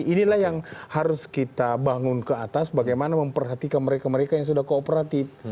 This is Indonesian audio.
inilah yang harus kita bangun ke atas bagaimana memperhatikan mereka mereka yang sudah kooperatif